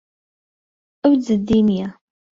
ئەو جددی نییە.